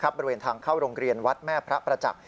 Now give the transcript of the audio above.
บริเวณทางเข้าโรงเรียนวัดแม่พระประจักษ์